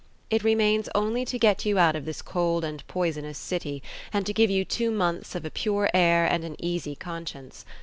It remains only to get you out of this cold and poisonous city, and to give you two months of a pure air and an easy conscience.